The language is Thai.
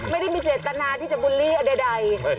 ไม่ได้มีเจตนาที่จะบูลลี่อันใด